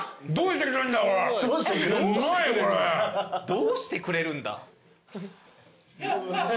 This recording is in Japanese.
「どうしてくれるんだ」？